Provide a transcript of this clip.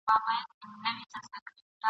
له درنو درنوبارو وم تښتېدلی ..